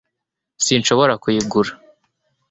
sinshobora kuyigura